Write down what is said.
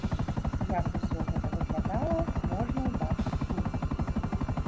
Як усё гэта выглядала, можна ўбачыць тут.